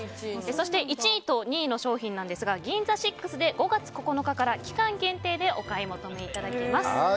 そして１位と２位の商品ですがＧＩＮＺＡＳＩＸで５月９日から期間限定でお買い求めいただけます。